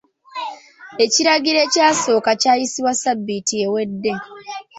Ekiragiro ekyasooka kyayisibwa ssabbiiti ewedde.